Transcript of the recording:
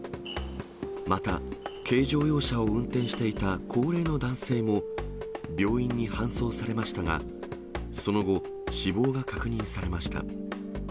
また、軽乗用車を運転していた高齢の男性も病院に搬送されましたが、その後、死亡が確認されました。